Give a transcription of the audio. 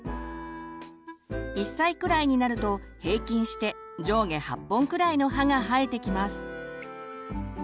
１歳くらいになると平均して上下８本くらいの歯が生えてきます。